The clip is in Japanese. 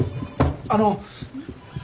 あの！